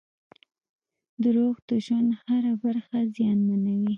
• دروغ د ژوند هره برخه زیانمنوي.